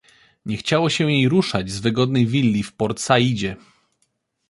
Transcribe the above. Nie chciało się jej ruszać z wygodnej willi w Port-Saidzie.